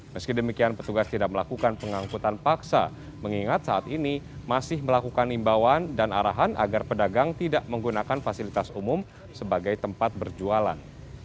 meski demikian petugas tidak melakukan pengangkutan paksa mengingat saat ini masih melakukan imbauan dan arahan agar pedagang tidak menggunakan fasilitas umum sebagai tempat berjualan